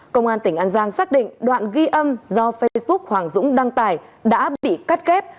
công an tỉnh an giang xác định đoạn ghi âm do facebook hoàng dũng đăng tải đã bị cắt kép